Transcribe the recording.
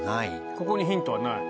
ここにヒントはない？